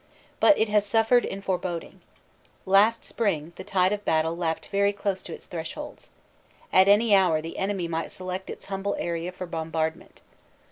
But it has suffered in fore boding. Last spring the tide of battle lapped very close to its thresholds. At any hour the enemy might select its humble area for bombardment.